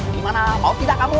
gimana mau tidak kamu